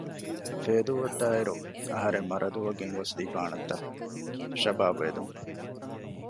ފޭދޫއަށްދާއިރު އަހަރެން މަރަދޫއަށް ގެންގޮސްދީފާނަންތަ؟ ޝަބާބް އެދުން